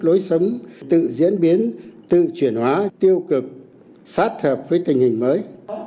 lối sống tự diễn biến tự chuyển hóa tiêu cực sát hợp với tình hình mới